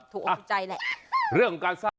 ถูกโอบใจแหละ